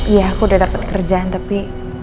ya aku udah dapet kerjaan tapi